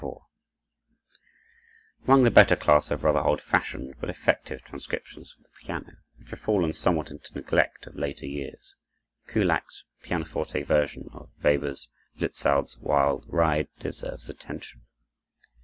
4 Among the better class of rather old fashioned but effective transcriptions for the piano, which have fallen somewhat into neglect of later years, Kullak's pianoforte version of Weber's "Lützow's Wild Ride" deserves attention.